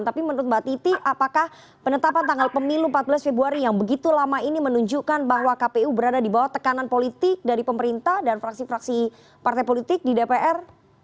tapi menurut mbak titi apakah penetapan tanggal pemilu empat belas februari yang begitu lama ini menunjukkan bahwa kpu berada di bawah tekanan politik dari pemerintah dan fraksi fraksi partai politik di dpr